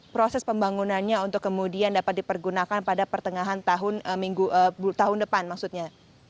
proses pembangunannya untuk kemudian dapat dipergunakan pada pertengahan tahun depan maksudnya